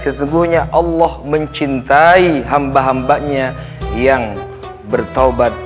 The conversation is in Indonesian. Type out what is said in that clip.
sesungguhnya allah mencintai hamba hambanya yang bertaubat